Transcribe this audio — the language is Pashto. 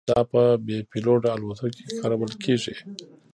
دا په بې پیلوټه الوتکو کې کارول کېږي.